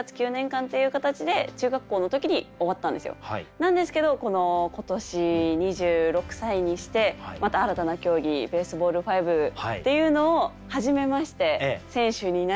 なんですけど今年２６歳にしてまた新たな競技Ｂａｓｅｂａｌｌ５っていうのを始めまして選手になり